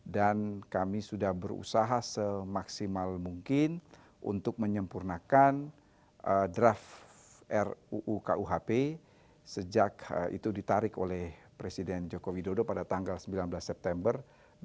dan kami sudah berusaha semaksimal mungkin untuk menyempurnakan draf ruu kuhp sejak itu ditarik oleh presiden joko widodo pada tanggal sembilan belas september dua ribu sembilan belas